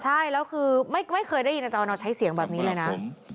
ใช่แล้วคือไม่เคยได้ยินอาจารย์ใช้เสียงแบบนี้เลยนะ